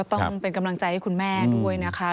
ต้องเป็นกำลังใจให้คุณแม่ด้วยนะคะ